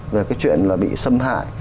và cái chuyện là bị xâm hại